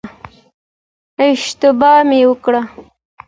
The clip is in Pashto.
اشتباه مې وکړه.